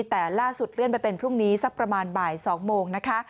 แต่ล่าสุดเลื่อนไปเป็นพรุ่งนี้สักประมาณบ่าย๒โมงนะคะ